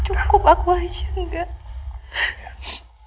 cukup aku aja nggak